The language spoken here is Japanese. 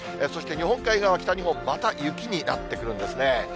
そして、日本海側、北日本、また雪になってくるんですね。